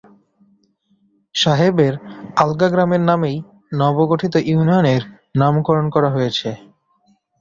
সাহেবের আলগা গ্রামের নামেই নব গঠিত ইউনিয়ন এর নামকরণ করা হয়েছে।